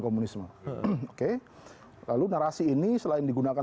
komunisme oke lalu narasi ini selain digunakan